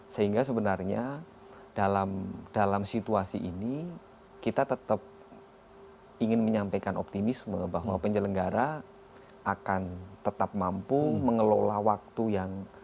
sehingga sebenarnya dalam situasi ini kita tetap ingin menyampaikan optimisme bahwa penyelenggara akan tetap mampu mengelola waktu yang